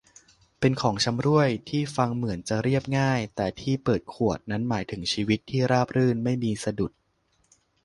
เป็นของชำร่วยที่ฟังเหมือนจะเรียบง่าย แต่ที่เปิดขวดนั้นหมายถึงชีวิตที่ราบรื่นไม่มีสะดุด